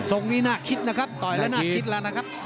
งงนี้น่าคิดนะครับต่อยแล้วน่าคิดแล้วนะครับ